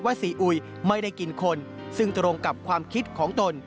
ซีอุยไม่ได้กินคนซึ่งตรงกับความคิดของตน